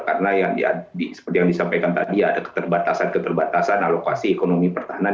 karena seperti yang disampaikan tadi ya ada keterbatasan keterbatasan alokasi ekonomi pertahanan